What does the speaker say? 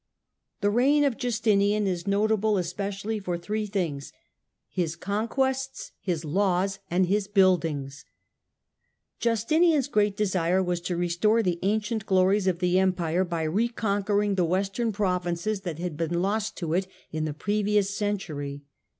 The reign of Justinian is notable especially for three things — his conquests, his laws and his buildings.^ Justinian's Justinian's great desire was to restore the ancient glories of the Empire by reconquering the "Western provinces that had been lost to it in the previous cen tury.